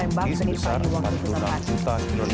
insin piles pengajian kamar umum di tanpa ucignal